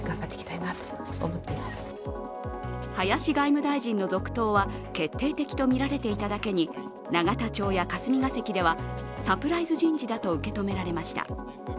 林外務大臣の続投は決定的とみられていただけに永田町や霞が関ではサプライズ人事だと受け止められました。